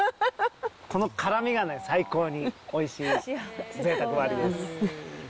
この辛みがね、最高においしいぜいたく割りです。